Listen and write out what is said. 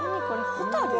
ホタル？